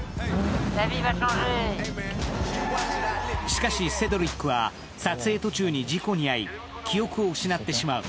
しかし、セドリックは撮影途中に事故に遭い、記憶を失ってしまう。